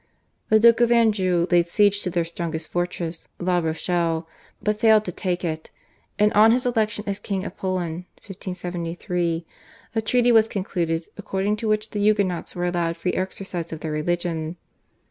The Duke of Anjou laid siege to their strongest fortress, La Rochelle, but failed to take it, and on his election as King of Poland (1573) a treaty was concluded according to which the Huguenots were allowed free exercise of their religion.